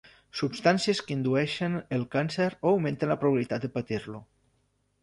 Substàncies que indueixen el càncer o augmenten la probabilitat de patir-lo.